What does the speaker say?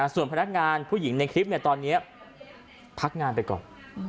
ส่วนพนักงานผู้หญิงในคลิปตอนนี้พักงานไปก่อน